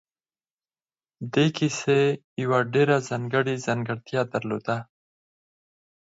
دې کيسې يوه ډېره ځانګړې ځانګړتيا درلوده.